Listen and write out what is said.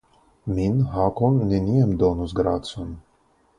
Min Hakon neniam donos gracon.